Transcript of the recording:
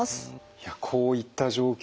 いやこういった状況